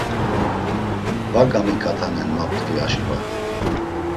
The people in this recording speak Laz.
Va gamiǩatanen, ma p̌t̆ǩvi aşǩva.